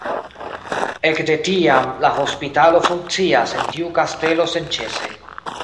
Ekde tiam la hospitalo funkcias en tiu kastelo senĉese.